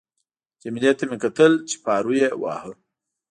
جميله ته مې کتل چې پارو یې واهه.